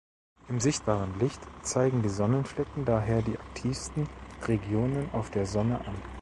Im sichtbaren Licht zeigen die Sonnenflecken daher die aktivsten Regionen auf der Sonne an.